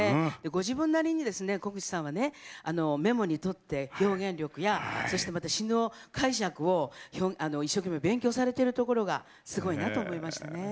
ご自分なりに小口さんはメモにとって、表現力や詞の解釈を一生懸命、勉強されてるところがすごいなと思いましたね。